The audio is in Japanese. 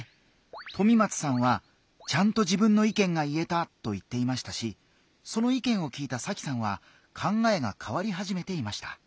とみまつさんは「ちゃんと自分の意見が言えた」と言っていましたしその意見を聞いたさきさんは考えが変わり始めていました。